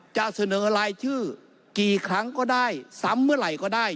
จะเสนอรายชื่อกี่ครั้งก็ได้ซ้ำเมื่อไหร่ก็ได้